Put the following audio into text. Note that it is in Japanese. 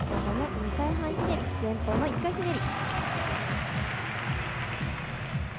２回半ひねり、前方の１回半ひねり。